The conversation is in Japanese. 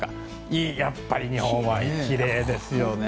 やっぱり日本はきれいですよね。